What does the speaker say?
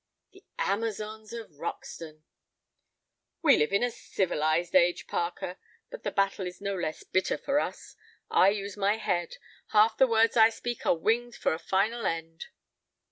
"The Amazons of Roxton." "We live in a civilized age, Parker, but the battle is no less bitter for us. I use my head. Half the words I speak are winged for a final end."